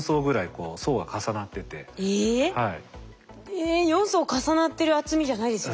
え４層重なってる厚みじゃないですよ全然。